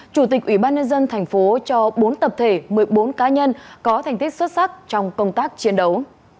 chủ tịch ủy ban nhân dân thành phố cho bốn tập thể một mươi bốn cá nhân có thành tích xuất sắc trong công tác chiến đấu